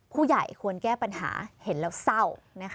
ควรแก้ปัญหาเห็นแล้วเศร้า